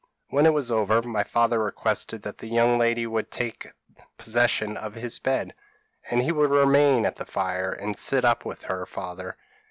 When it was over, my father requested that the young lady would take possession of his bed, and he would remain at the fire, and sit up with her father.